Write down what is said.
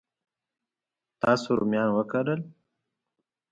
تاسو رومیان وکرل؟